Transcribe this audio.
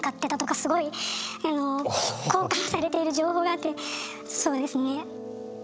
すごい交換されている情報があってそうですね。